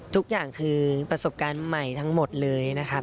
ทุกอย่างคือประสบการณ์ใหม่ทั้งหมดเลยนะครับ